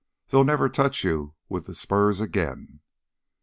They'll never touch you with the spurs again!"